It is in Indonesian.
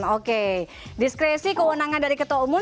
oke diskresi kewenangan dari ketua umum